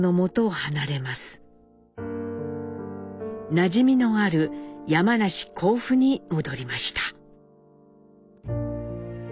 なじみのある山梨甲府に戻りました。